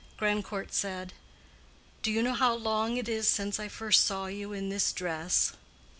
Grandcourt said, "Do you know how long it is since I first saw you in this dress?"